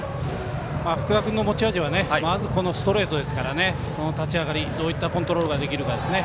福田君の持ち味はストレートですからその立ち上がりどういったコントロールができるかですね。